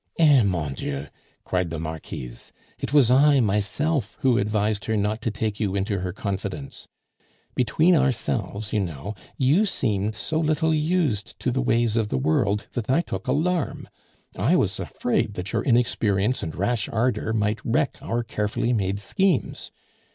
"Eh! mon Dieu!" cried the Marquise, "it was I myself who advised her not to take you into her confidence. Between ourselves, you know, you seemed so little used to the ways of the world, that I took alarm. I was afraid that your inexperience and rash ardor might wreck our carefully made schemes.